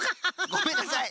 ごめんなさい。